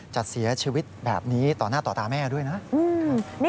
จะเสียชีวิตแบบนี้ต่อหน้าต่อตาแม่ด้วยนะ